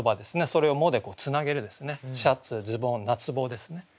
それを「も」でつなげる「シャツ」「ズボン」「夏帽」ですね